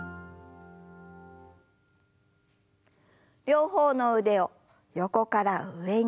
両方の腕を横から上に。